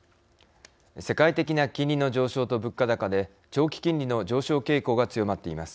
世界的な金利の上昇と物価高で長期金利の上昇傾向が強まっています。